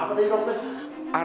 apa tadi dokter